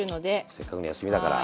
せっかくの休みだから。